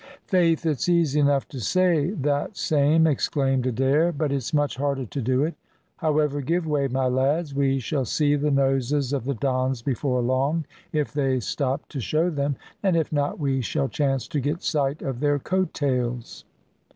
"Faith, it's easy enough to say that same," exclaimed Adair, "but it's much harder to do it. However, give way, my lads; we shall see the noses of the Dons before long, if they stop to show them, and if not, we shall chance to get sight of their coat tails."